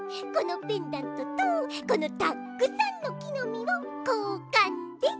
このペンダントとこのたっくさんのきのみをこうかんで！